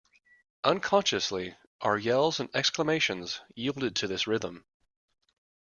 Unconsciously, our yells and exclamations yielded to this rhythm.